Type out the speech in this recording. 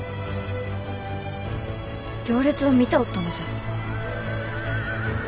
行列を見ておったのじゃ。